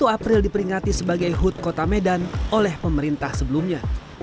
dua puluh april diperingati sebagai hud kota medan oleh pemerintah sebelumnya